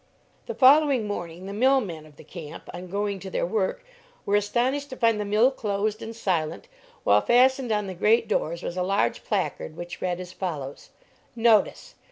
The following morning the mill men of the camp, on going to their work, were astonished to find the mill closed and silent, while fastened on the great doors was a large placard which read as follows: NOTICE.